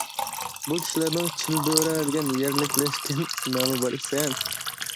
بۇ كىشىلەرنىڭ« چىلبۆرە» دېگەن يەرلىكلەشكەن نامى بار ئىكەن.